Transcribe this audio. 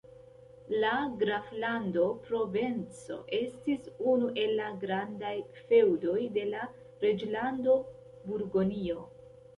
La graflando Provenco estis unu el la grandaj feŭdoj de la reĝlando Burgonjo.